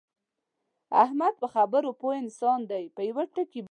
احمد په خبره پوه انسان دی، په یوه ټکي باندې ټوله موضع اخلي.